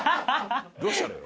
どうしたのよ？